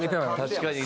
確かに。